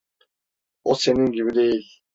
O senin gibi değil.